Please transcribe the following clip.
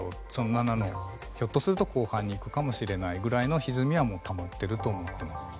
７の、ひょっとすると後半に行くかもしれないぐらいのひずみはたまってると思っています。